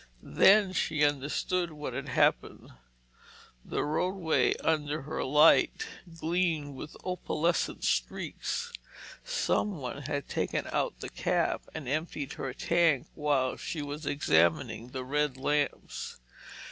Then she understood what had happened. The roadway, under her light, gleamed with opalescent streaks. Someone had taken out the cap and emptied her tank while she was examining the red lamps!